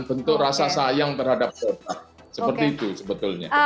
bentuk rasa sayang terhadap produk seperti itu sebetulnya